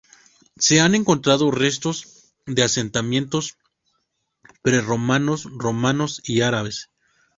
Se han encontrado restos de asentamientos prerromanos, romanos y árabes.